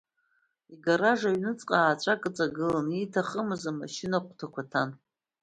Игараж аҩныҵҟа ааҵәак ыҵагылан, ииҭахымыз машьына хәҭақәак ҭан.